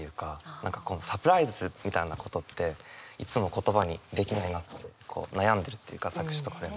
何かこのサプライズみたいなことっていつも言葉にできない悩んでるというか作詞とかでも。